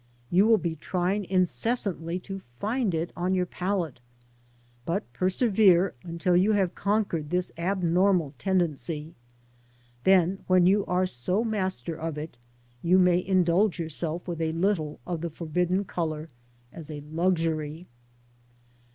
You will be trying incessantly to find it on your palette, but persevere until you have conquered this abnormal tendency. Then, when you are so master of it, you may indulge yourself with a little of the forbidden colour as a luxury.